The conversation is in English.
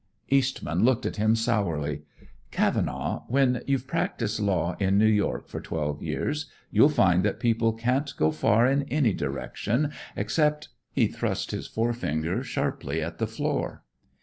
Eastman looked at him sourly. "Cavenaugh, when you've practised law in New York for twelve years, you find that people can't go far in any direction, except " He thrust his forefinger sharply at the floor.